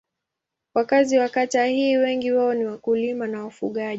Wakazi wa kata hii wengi wao ni wakulima na wafugaji.